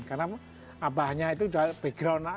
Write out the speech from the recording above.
karena abahnya itu background lah